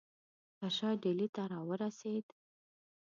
که شاه ډهلي ته را ورسېد.